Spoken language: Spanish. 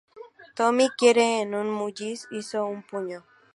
Tommy, quien era un Mullins, hizo un puño.